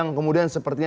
yang kemudian sepertinya